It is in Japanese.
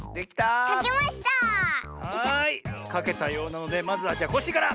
かけたようなのでまずはコッシーから。